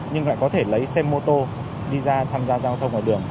nhưng lại có thể lấy xe mô tô đi ra tham gia giao thông ngoài đường